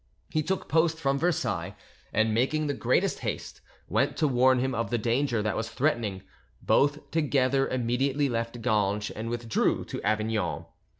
He took post from Versailles, and making the greatest haste, went to warn him of the danger that was threatening; both together immediately left Ganges, and withdrew to Avignon.